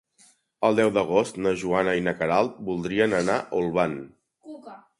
El deu d'agost na Joana i na Queralt voldrien anar a Olvan.